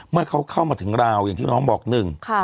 เมื่อเขาเข้ามาถึงราวอย่างที่น้องบอกหนึ่ง